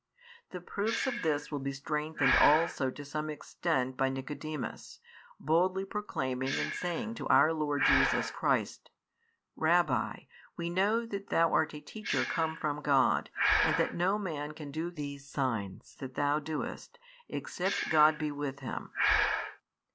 The proofs of this will be strengthened also to some extent by Nicodemus, boldly exclaiming and saying to Our Lord Jesus Christ: Rabbi, we know that Thou art a Teacher come from God, and that no man can do these signs that Thou doest, except God be with Him.